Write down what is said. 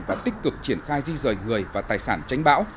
và tích cực triển khai di rời người và tài sản tránh bão